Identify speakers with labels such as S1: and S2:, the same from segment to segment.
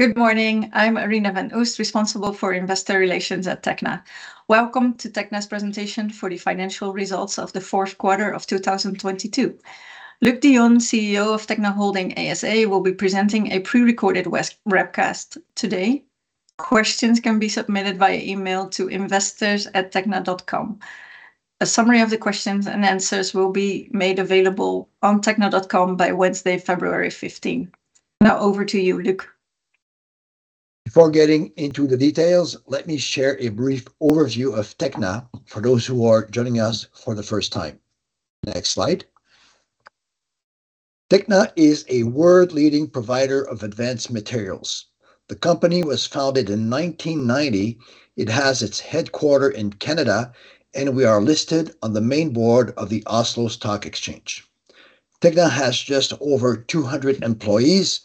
S1: Good morning. I'm Arina van Oost, responsible for investor relations at Tekna. Welcome to Tekna's presentation for the financial results of the fourth quarter of 2022. Luc Dionne, CEO of Tekna Holding ASA, will be presenting a pre-recorded webcast today. Questions can be submitted via email to investors@tekna.com. A summary of the questions and answers will be made available on tekna.com by Wednesday, February 15. Now over to you, Luc.
S2: Before getting into the details, let me share a brief overview of Tekna for those who are joining us for the first time. Next slide. Tekna is a world leading provider of advanced materials. The company was founded in 1990. It has its headquarter in Canada. We are listed on the main board of the Oslo Stock Exchange. Tekna has just over 200 employees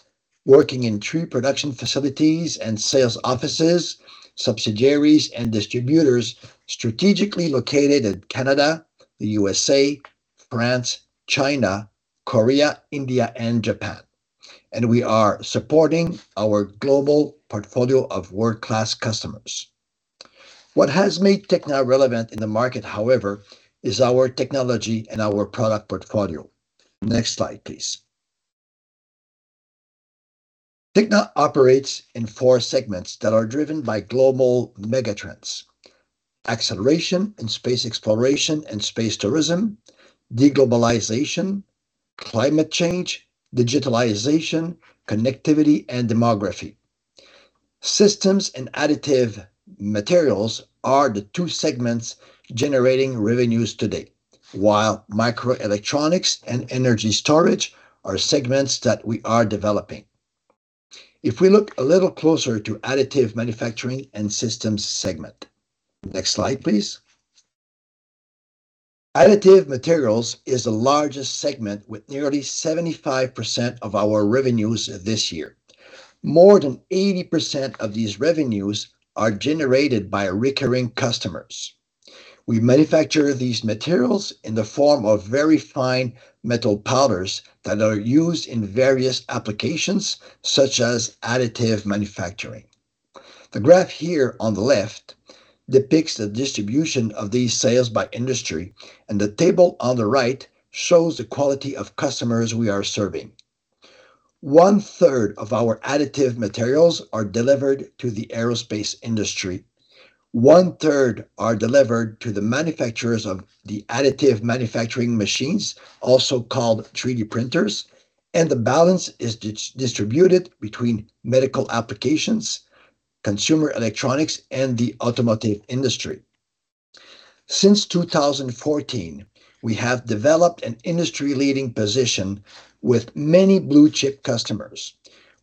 S2: working in three production facilities and sales offices, subsidiaries, and distributors strategically located at Canada, the USA, France, China, Korea, India, and Japan. We are supporting our global portfolio of world-class customers. What has made Tekna relevant in the market, however, is our technology and our product portfolio. Next slide, please. Tekna operates in four segments that are driven by global megatrends: acceleration in space exploration and space tourism, deglobalization, climate change, digitalization, connectivity, and demography. Systems and additive materials are the two segments generating revenues today, while microelectronics and energy storage are segments that we are developing. If we look a little closer to additive manufacturing and systems segment. Next slide, please. Additive materials is the largest segment with nearly 75% of our revenues this year. More than 80% of these revenues are generated by recurring customers. We manufacture these materials in the form of very fine metal powders that are used in various applications such as additive manufacturing. The graph here on the left depicts the distribution of these sales by industry, and the table on the right shows the quality of customers we are serving. One third of our additive materials are delivered to the aerospace industry. One third are delivered to the manufacturers of the additive manufacturing machines, also called 3D printers. The balance is distributed between medical applications, consumer electronics, and the automotive industry. Since 2014, we have developed an industry leading position with many blue chip customers.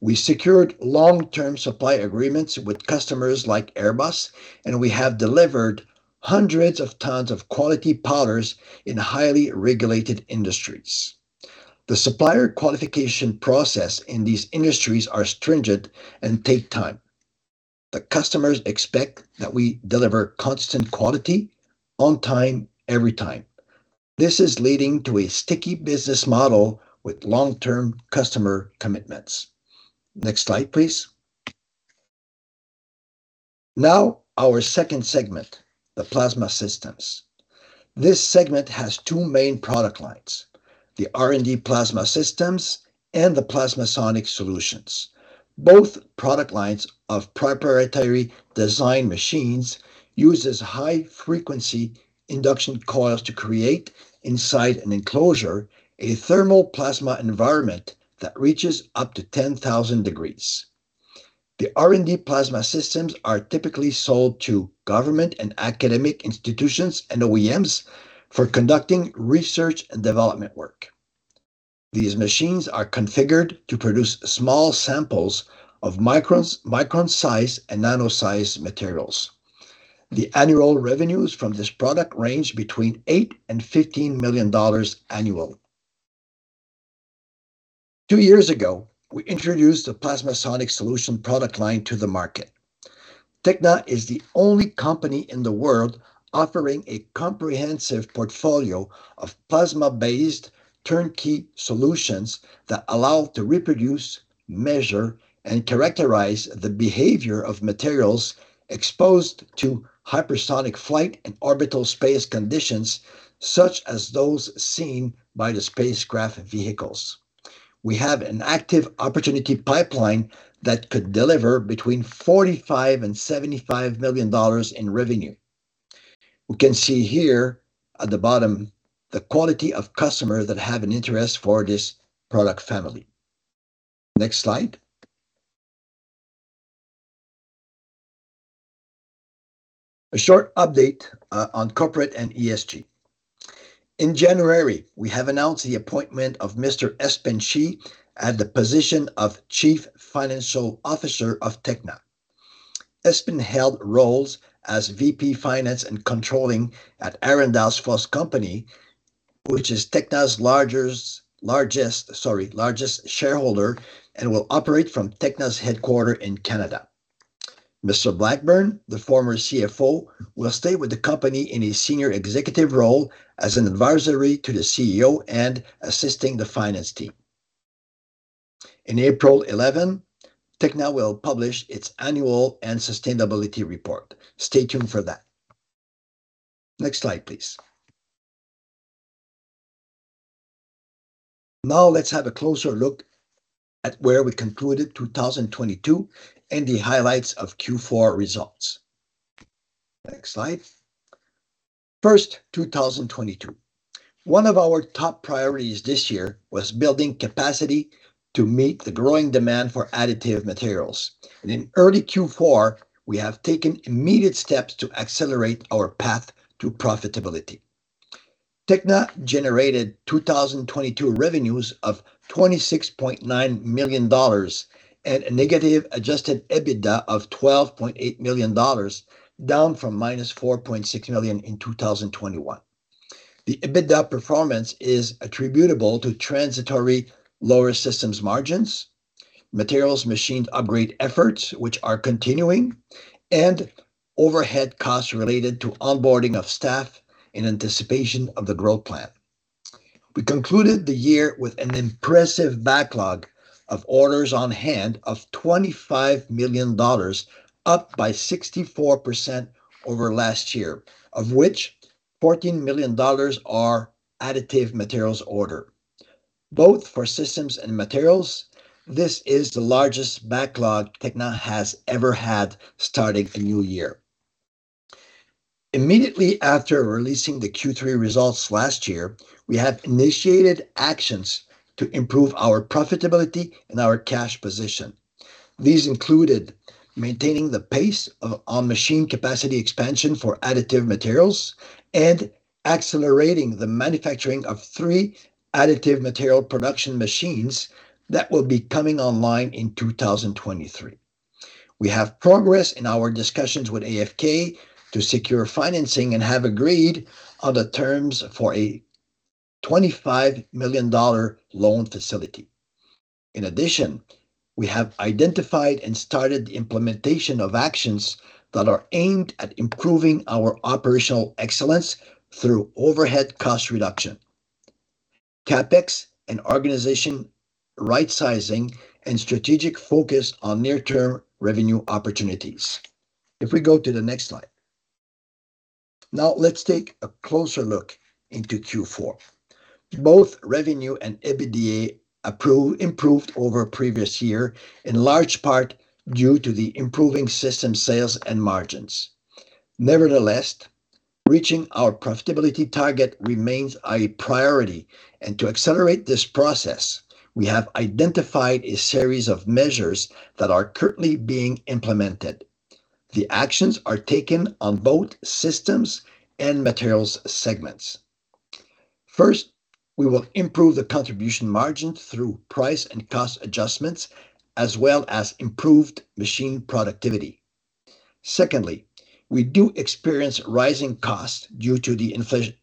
S2: We secured long-term supply agreements with customers like Airbus. We have delivered hundreds of tons of quality powders in highly regulated industries. The supplier qualification process in these industries are stringent and take time. Customers expect that we deliver constant quality on time, every time. This is leading to a sticky business model with long-term customer commitments. Next slide, please. Our second segment, the Plasma Systems. This segment has two main product lines, the R&D Plasma Systems and the PlasmaSonic Solutions. Both product lines of proprietary design machines uses high frequency induction coils to create inside an enclosure a thermal plasma environment that reaches up to 10,000 degrees. The R&D plasma systems are typically sold to government and academic institutions and OEMs for conducting research and development work. These machines are configured to produce small samples of micron size and nano size materials. The annual revenues from this product range between $8 million and $15 million annual. Two years ago, we introduced a PlasmaSonic Solution product line to the market. Tekna is the only company in the world offering a comprehensive portfolio of plasma-based turnkey solutions that allow to reproduce, measure, and characterize the behavior of materials exposed to hypersonic flight and orbital space conditions, such as those seen by the spacecraft vehicles. We have an active opportunity pipeline that could deliver between $45 million-$75 million in revenue. We can see here at the bottom the quality of customers that have an interest for this product family. Next slide. A short update on corporate and ESG. In January, we have announced the appointment of Mr. Espen Scheie at the position of Chief Financial Officer of Tekna. Espen held roles as VP Finance and Controlling at Arendals Fossekompani ASA, which is Tekna's largest shareholder, and will operate from Tekna's headquarter in Canada. Mr. Blackburn, the former CFO, will stay with the company in a senior executive role as an advisory to the CEO and assisting the finance team. In April 11, Tekna will publish its annual and sustainability report. Stay tuned for that. Next slide, please. Now let's have a closer look at where we concluded 2022 and the highlights of Q4 results. Next slide. First, 2022. One of our top priorities this year was building capacity to meet the growing demand for additive materials. In early Q4, we have taken immediate steps to accelerate our path to profitability. Tekna generated 2022 revenues of $26.9 million and a negative adjusted EBITDA of $12.8 million, down from minus $4.6 million in 2021. The EBITDA performance is attributable to transitory lower systems margins, materials machine upgrade efforts, which are continuing, and overhead costs related to onboarding of staff in anticipation of the growth plan. We concluded the year with an impressive backlog of orders on hand of $25 million, up by 64% over last year, of which $14 million are additive materials order. Both for systems and materials, this is the largest backlog Tekna has ever had starting a new year. Immediately after releasing the Q3 results last year, we have initiated actions to improve our profitability and our cash position. These included maintaining the pace of our machine capacity expansion for additive materials and accelerating the manufacturing of three additive material production machines that will be coming online in 2023. We have progress in our discussions with AFK to secure financing and have agreed on the terms for a $25 million loan facility. In addition, we have identified and started the implementation of actions that are aimed at improving our operational excellence through overhead cost reduction, CapEx and organization rightsizing, and strategic focus on near-term revenue opportunities. If we go to the next slide. Let's take a closer look into Q4. Both revenue and EBITDA improved over previous year in large part due to the improving system sales and margins. Nevertheless, reaching our profitability target remains a priority, and to accelerate this process, we have identified a series of measures that are currently being implemented. The actions are taken on both systems and materials segments. First, we will improve the contribution margin through price and cost adjustments, as well as improved machine productivity. Secondly, we do experience rising costs due to the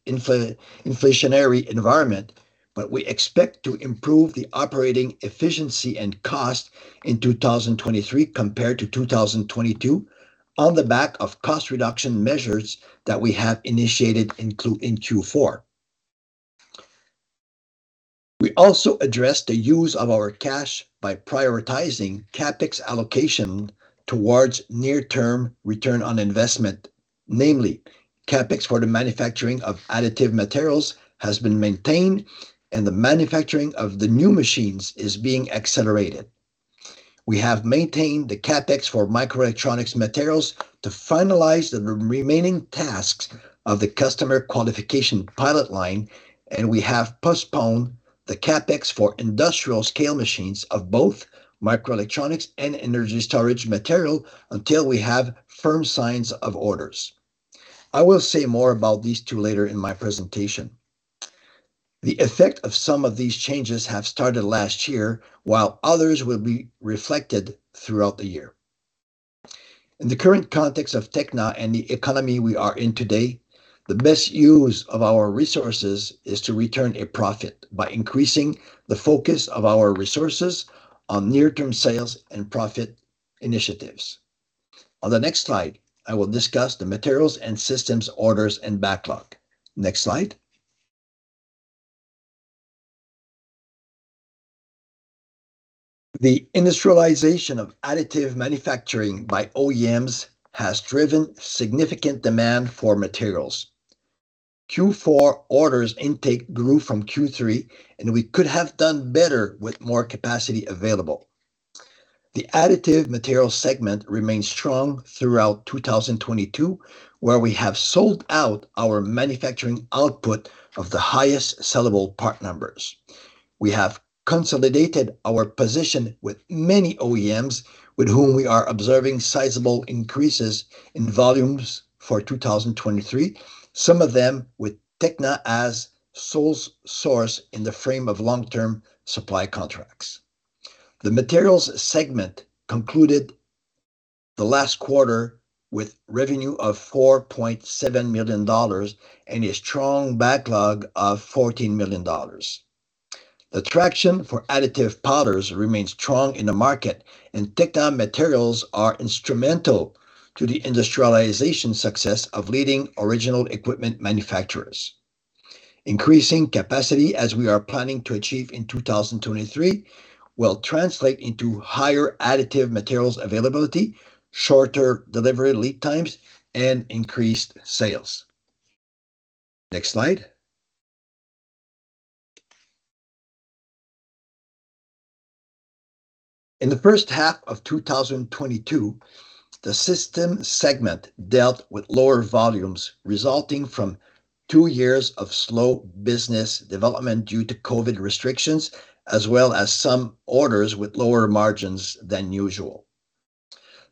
S2: inflationary environment. We expect to improve the operating efficiency and cost in 2023 compared to 2022 on the back of cost reduction measures that we have initiated in Q4. We also address the use of our cash by prioritizing CapEx allocation towards near-term return on investment, namely CapEx for the manufacturing of additive materials has been maintained, and the manufacturing of the new machines is being accelerated. We have maintained the CapEx for microelectronics materials to finalize the remaining tasks of the customer qualification pilot line. We have postponed the CapEx for industrial scale machines of both microelectronics and energy storage material until we have firm signs of orders. I will say more about these two later in my presentation. The effect of some of these changes have started last year, while others will be reflected throughout the year. In the current context of Tekna and the economy we are in today, the best use of our resources is to return a profit by increasing the focus of our resources on near-term sales and profit initiatives. On the next slide, I will discuss the materials and systems orders and backlog. Next slide. The industrialization of additive manufacturing by OEMs has driven significant demand for materials. Q4 orders intake grew from Q3, and we could have done better with more capacity available. The additive materials segment remained strong throughout 2022, where we have sold out our manufacturing output of the highest sellable part numbers. We have consolidated our position with many OEMs with whom we are observing sizable increases in volumes for 2023, some of them with Tekna as sole source in the frame of long-term supply contracts. The materials segment concluded the last quarter with revenue of $4.7 million and a strong backlog of $14 million. The traction for additive powders remains strong in the market. Tekna materials are instrumental to the industrialization success of leading original equipment manufacturers. Increasing capacity, as we are planning to achieve in 2023, will translate into higher additive materials availability, shorter delivery lead times, and increased sales. Next slide. In the first half of 2022, the system segment dealt with lower volumes resulting from two years of slow business development due to COVID restrictions, as well as some orders with lower margins than usual.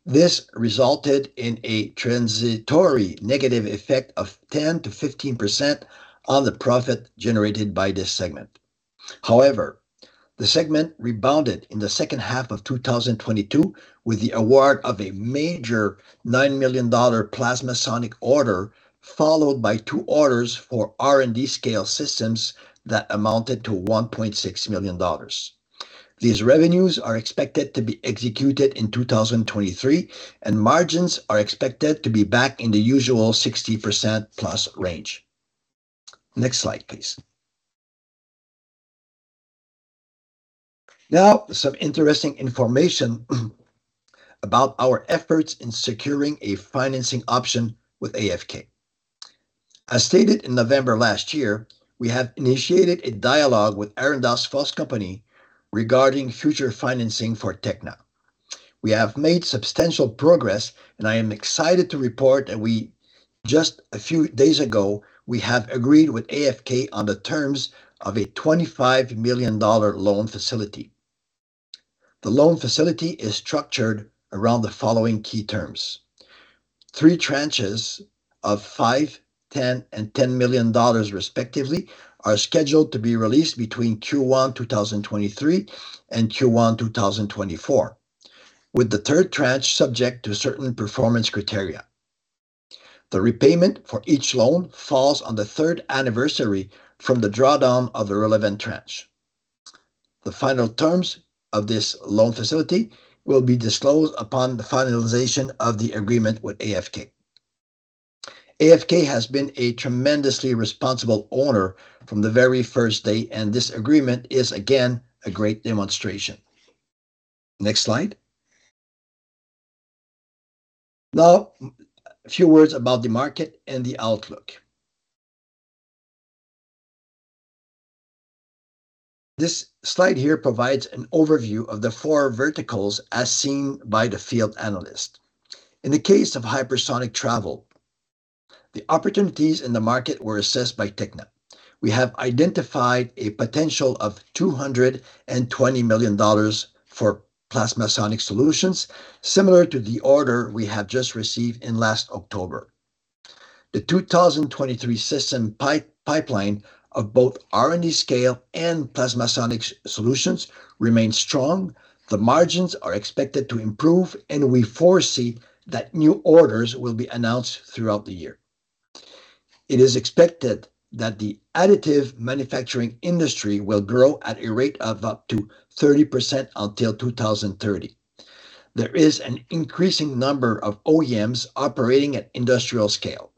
S2: This resulted in a transitory negative effect of 10%-15% on the profit generated by this segment. However, the segment rebounded in the second half of 2022 with the award of a major $9 million PlasmaSonic order, followed by two orders for R&D scale systems that amounted to $1.6 million. These revenues are expected to be executed in 2023, and margins are expected to be back in the usual 60%+ range. Next slide, please. Some interesting information about our efforts in securing a financing option with AFK. As stated in November last year, we have initiated a dialogue with Arendals Fossekompani regarding future financing for Tekna. We have made substantial progress, and I am excited to report that just a few days ago, we have agreed with AFK on the terms of a $25 million loan facility. The loan facility is structured around the following key terms. Three tranches of $5 million, $10 million, and $10 million respectively are scheduled to be released between Q1 2023 and Q1 2024, with the third tranche subject to certain performance criteria. The repayment for each loan falls on the third anniversary from the drawdown of the relevant tranche. The final terms of this loan facility will be disclosed upon the finalization of the agreement with AFK. AFK has been a tremendously responsible owner from the very first day, and this agreement is again a great demonstration. Next slide. Now, a few words about the market and the outlook. This slide here provides an overview of the four verticals as seen by the field analyst. In the case of hypersonic travel, the opportunities in the market were assessed by Tekna. We have identified a potential of $220 million for PlasmaSonic solutions similar to the order we have just received in last October. The 2023 system pipeline of both R&D scale and PlasmaSonic solutions remain strong. The margins are expected to improve. We foresee that new orders will be announced throughout the year. It is expected that the additive manufacturing industry will grow at a rate of up to 30% until 2030. There is an increasing number of OEMs operating at industrial scale.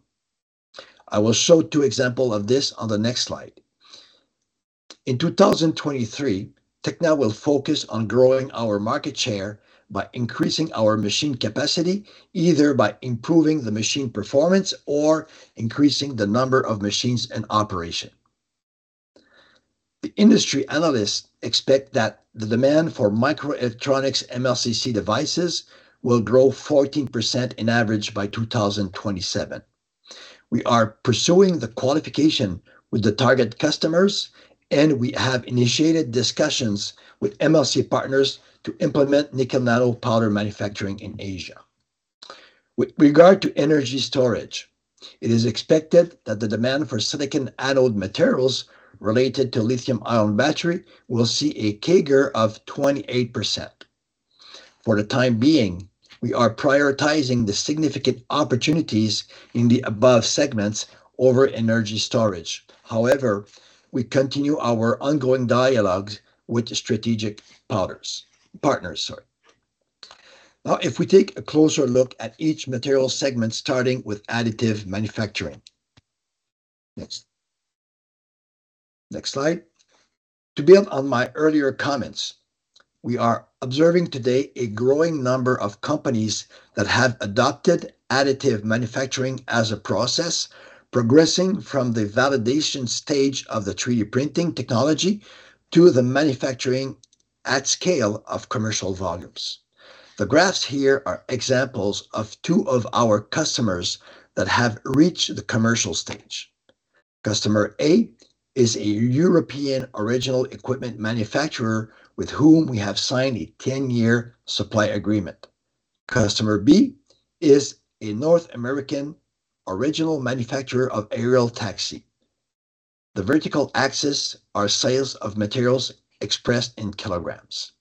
S2: I will show two example of this on the next slide. In 2023, Tekna will focus on growing our market share by increasing our machine capacity, either by improving the machine performance or increasing the number of machines in operation. The industry analysts expect that the demand for microelectronics MLCC devices will grow 14% in average by 2027. We are pursuing the qualification with the target customers, and we have initiated discussions with MLCC partners to implement nickel nanopowder manufacturing in Asia. With regard to energy storage, it is expected that the demand for silicon anode materials related to lithium-ion battery will see a CAGR of 28%. For the time being, we are prioritizing the significant opportunities in the above segments over energy storage. However, we continue our ongoing dialogues with strategic partners, sorry. Now, if we take a closer look at each material segment, starting with additive manufacturing. Next. Next slide. To build on my earlier comments, we are observing today a growing number of companies that have adopted additive manufacturing as a process progressing from the validation stage of the 3D printing technology to the manufacturing at scale of commercial volumes. The graphs here are examples of two of our customers that have reached the commercial stage. Customer A is a European original equipment manufacturer with whom we have signed a 10-year supply agreement. Customer B is a North American original manufacturer of aerial taxi. The vertical axis are sales of materials expressed in kilograms.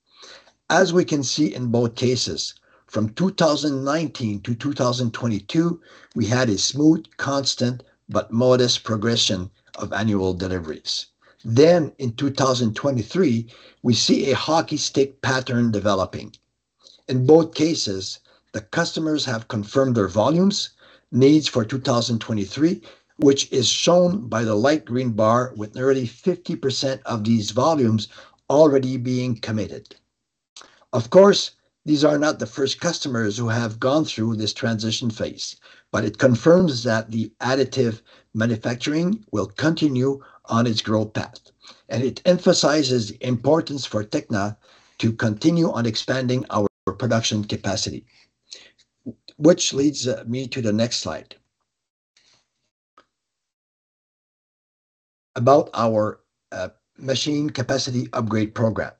S2: As we can see in both cases, from 2019 to 2022, we had a smooth, constant, but modest progression of annual deliveries. In 2023, we see a hockey stick pattern developing. In both cases, the customers have confirmed their volumes needs for 2023, which is shown by the light green bar with nearly 50% of these volumes already being committed. Of course, these are not the first customers who have gone through this transition phase, but it confirms that the additive manufacturing will continue on its growth path, and it emphasizes importance for Tekna to continue on expanding our production capacity. Which leads me to the next slide. About our machine capacity upgrade program.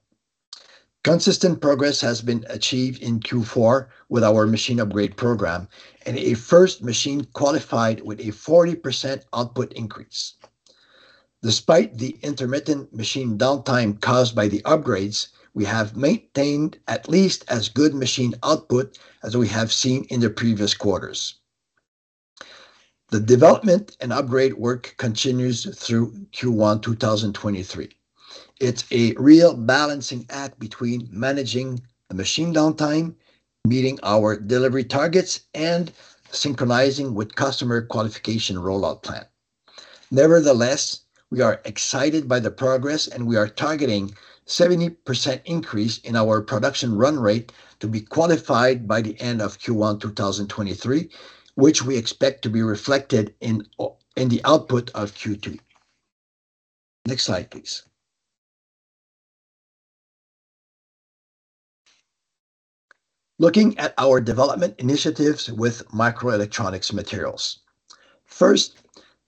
S2: Consistent progress has been achieved in Q4 with our machine upgrade program, and a first machine qualified with a 40% output increase. Despite the intermittent machine downtime caused by the upgrades, we have maintained at least as good machine output as we have seen in the previous quarters. The development and upgrade work continues through Q1 2023. It's a real balancing act between managing the machine downtime, meeting our delivery targets, and synchronizing with customer qualification rollout plan. Nevertheless, we are excited by the progress, and we are targeting 70% increase in our production run rate to be qualified by the end of Q1 2023, which we expect to be reflected in the output of Q2. Next slide, please. Looking at our development initiatives with microelectronics materials. First,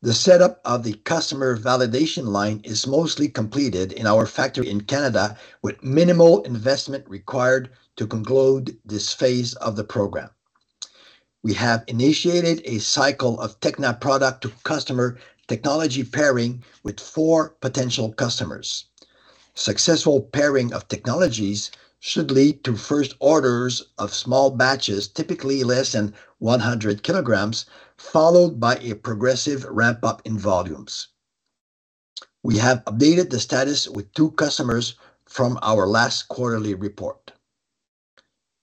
S2: the setup of the customer validation line is mostly completed in our factory in Canada with minimal investment required to conclude this phase of the program. We have initiated a cycle of Tekna product to customer technology pairing with 4 potential customers. Successful pairing of technologies should lead to first orders of small batches, typically less than 100 kilograms, followed by a progressive ramp up in volumes. We have updated the status with two customers from our last quarterly report.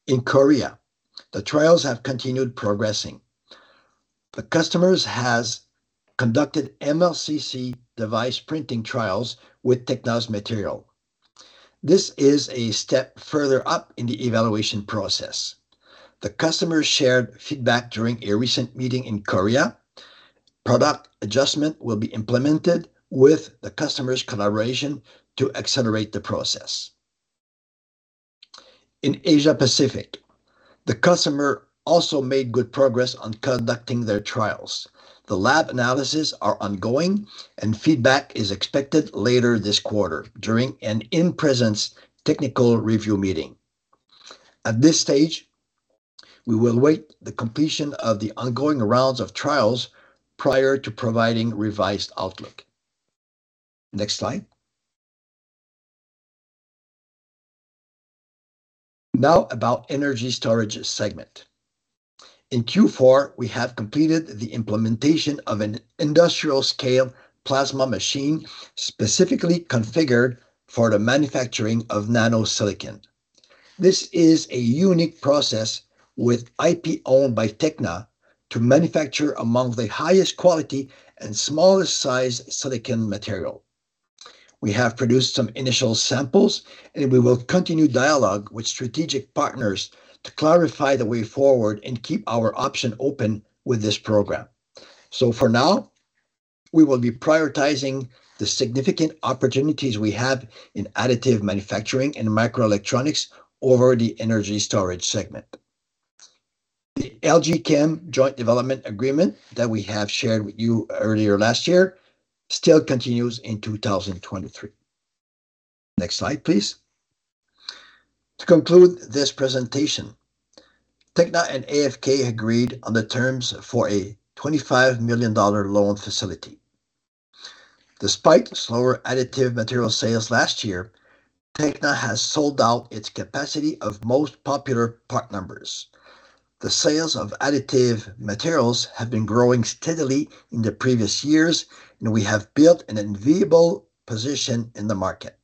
S2: In Korea, the trials have continued progressing. The customers has conducted MLCC device printing trials with Tekna's material. This is a step further up in the evaluation process. The customer shared feedback during a recent meeting in Korea. Product adjustment will be implemented with the customer's collaboration to accelerate the process. In Asia Pacific, the customer also made good progress on conducting their trials. The lab analysis are ongoing and feedback is expected later this quarter during an in-presence technical review meeting. At this stage, we will wait the completion of the ongoing rounds of trials prior to providing revised outlook. Next slide. About energy storage segment. In Q4, we have completed the implementation of an industrial scale plasma machine, specifically configured for the manufacturing of nano silicon. This is a unique process with IP owned by Tekna to manufacture among the highest quality and smallest size silicon material. We have produced some initial samples, and we will continue dialogue with strategic partners to clarify the way forward and keep our option open with this program. For now, we will be prioritizing the significant opportunities we have in additive manufacturing and microelectronics over the energy storage segment. The LG Chem joint development agreement that we have shared with you earlier last year still continues in 2023. Next slide, please. To conclude this presentation, Tekna and AFK agreed on the terms for a 25 million dollar loan facility. Despite slower additive material sales last year, Tekna has sold out its capacity of most popular part numbers. The sales of additive materials have been growing steadily in the previous years, and we have built an enviable position in the market.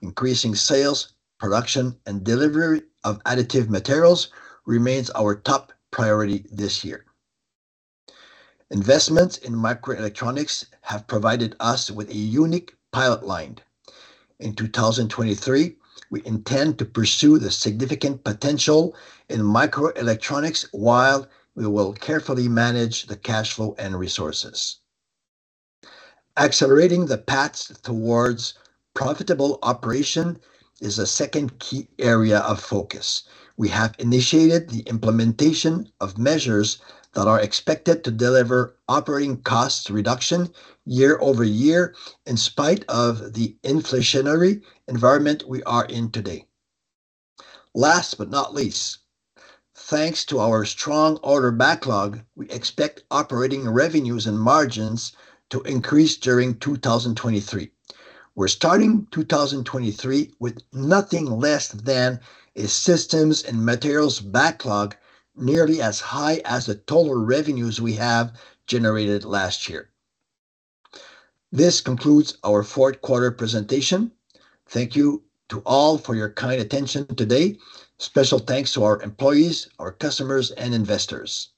S2: Increasing sales, production, and delivery of additive materials remains our top priority this year. Investments in microelectronics have provided us with a unique pilot line. In 2023, we intend to pursue the significant potential in microelectronics while we will carefully manage the cash flow and resources. Accelerating the path towards profitable operation is a second key area of focus. We have initiated the implementation of measures that are expected to deliver operating costs reduction year-over-year in spite of the inflationary environment we are in today. Last but not least, thanks to our strong order backlog, we expect operating revenues and margins to increase during 2023. We're starting 2023 with nothing less than a systems and materials backlog nearly as high as the total revenues we have generated last year. This concludes our fourth quarter presentation. Thank you to all for your kind attention today. Special thanks to our employees, our customers, and investors.